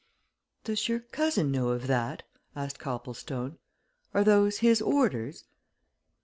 "Does your cousin know of that?" asked Copplestone. "Are those his orders?"